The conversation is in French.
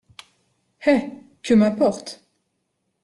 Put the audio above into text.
Eh ! que m’importe !